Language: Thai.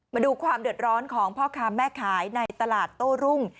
มาดูความเดือดร้อนของพ่อค้าแม่ขายในตลาดโต้รุ่ง